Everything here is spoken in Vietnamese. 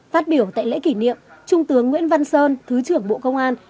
phát biểu tại lễ kỷ niệm trung tướng nguyễn văn sơn thứ trưởng bộ công an